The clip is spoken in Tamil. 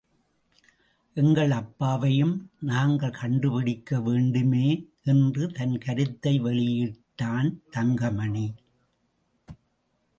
எங்கள் அப்பாவையும் நாங்கள் கண்டுபிடிக்க வேண்டுமே! என்று தன் கருத்தை வெளியிட்டான் தங்கமணி.